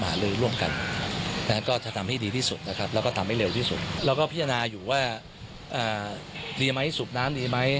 ถ้าคิดว่าเป็นวิธีที่ดีสุดเราก็จะทำ